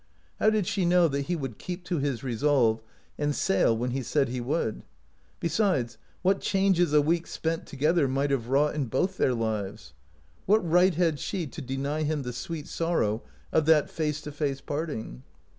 How did she know that he would keep to his resolve and sail when he said he would? Besides, what changes a week spent together might have wrought in both their lives! What right had she to deny him the sweet sorrow of that face to face parting?